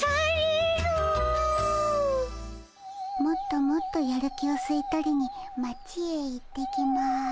もっともっとやる気をすい取りに町へ行ってきます。